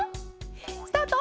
スタート！